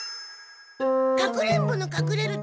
かくれんぼのかくれる